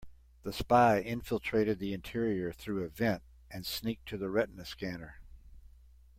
The spy infiltrated the interior through a vent and sneaked to the retina scanner.